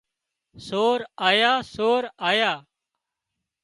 سور آيا سور آيا